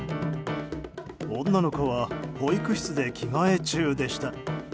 女の子は保育室で着替え中でした。